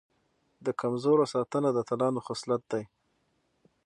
د کمزورو ساتنه د اتلانو خصلت دی.